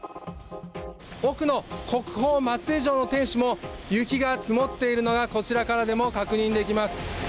奥の国宝・松江城の天守も、雪が積もっているのがこちらからでも確認できます。